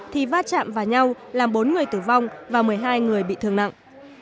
thì va chạm vào nhau làm bốn người tử vong và một mươi hai người bị thương nặng